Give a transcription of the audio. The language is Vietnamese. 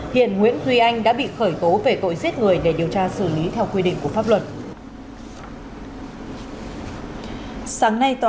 hiện nguyễn duy anh đã bị khởi tố về tội giết người để điều tra xử lý theo quy định của pháp luật